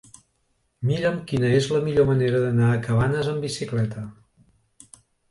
Mira'm quina és la millor manera d'anar a Cabanes amb bicicleta.